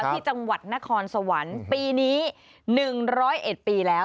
ที่จังหวัดนครสวรรค์ปีนี้๑๐๑ปีแล้ว